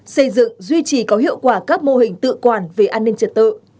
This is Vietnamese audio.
xây dựng duy trì có hiệu quả các mô hình tự quản về an ninh trật tự